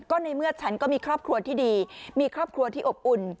ก็ในเมื่อฉันก็มีครอบครัวที่ดีมีครอบครัวที่อบอุ่น